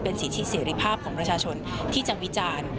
เป็นสิทธิเสียริภาพของประชาชนที่จะวิจาร